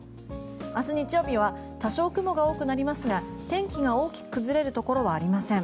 明日日曜日は多少雲が多くなりますが天気が大きく崩れるところはありません。